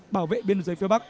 bảo vệ biên giới phía bắc